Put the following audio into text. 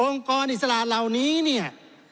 กรอิสระเหล่านี้เนี่ย